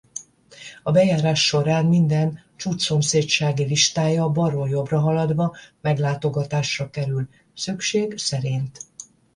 A bejárás során minden csúcs szomszédsági listája balról jobbra haladva meglátogatásra kerül szükség szerint.